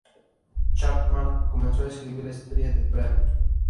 Chapman comenzó a escribir la historia de Brave.